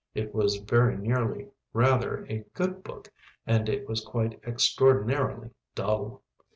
It was very nearly rather a good book and it was quite extraordinarily dull.